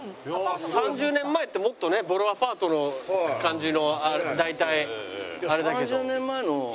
３０年前ってもっとねボロアパートの感じの大体あれだけど。